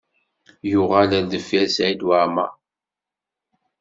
Yuɣal ar deffir Saɛid Waɛmaṛ.